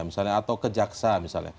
misalnya atau ke jaksa misalnya